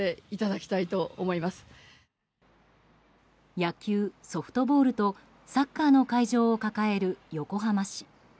野球・ソフトボールとサッカーの会場を抱える横浜市。